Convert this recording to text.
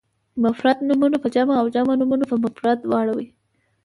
مفرد نومونه په جمع او جمع نومونه په مفرد واړوئ.